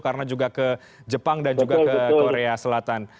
karena juga ke jepang dan juga ke korea selatan